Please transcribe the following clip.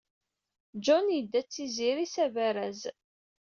John yedda d Tiziri s abaraz.